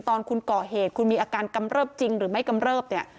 ตอนคุณก่อเหตุคุณมีอาการกำเริบจริงหรือไม่กำเริบเนี่ย